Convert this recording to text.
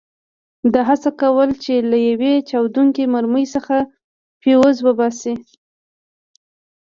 ده هڅه کوله چې له یوې چاودېدونکې مرمۍ څخه فیوز وباسي.